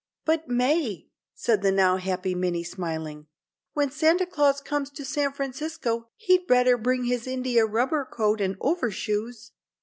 "But, May," said the now happy Minnie, smiling; "when Santa Claus comes to San Francisco he'd better bring his India rubber coat and overshoes."